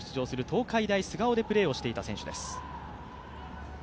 東海大菅生でプレーをしていた選手です。